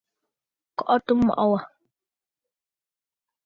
Kɔʼɔtə mɔʼɔ wâ.